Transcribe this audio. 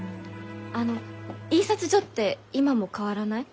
あの印刷所って今も変わらない？